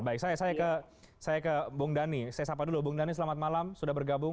baik saya ke bung dhani saya sapa dulu bung dhani selamat malam sudah bergabung